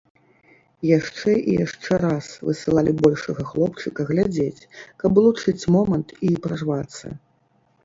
Яшчэ і яшчэ раз высылалі большага хлопчыка глядзець, каб улучыць момант і прарвацца.